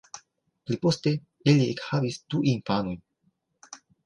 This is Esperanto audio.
Pliposte ili ekhavis du infanojn.